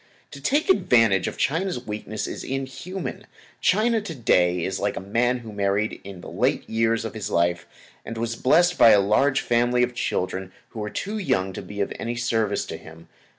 To take advantage of China's weakness is inhuman. China, to day, is like a man who married in the late years of his life, and was blessed with a large family of children who were too young to be of any service to him.